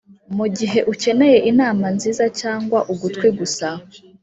mugihe ukeneye inama nziza cyangwa ugutwi gusa,